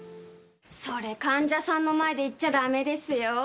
それ、患者さんの前で言っちゃだめですよ。